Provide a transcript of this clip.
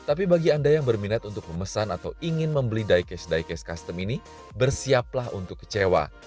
tapi bagi anda yang berminat untuk memesan atau ingin membeli diecast diecast custom ini bersiaplah untuk kecewa